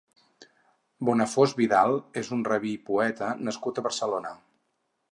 Bonafós Vidal és un rabí i poeta nascut a Barcelona.